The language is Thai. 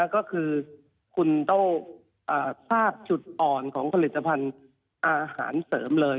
ก็คือคุณต้องทราบจุดอ่อนของผลิตภัณฑ์อาหารเสริมเลย